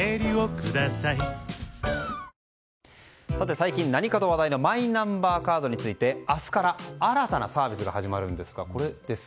最近何かと話題のマイナンバーカードについて明日から新たなサービスが始まるんですがこれです。